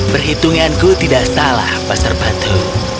perhitunganku tidak salah pasar batu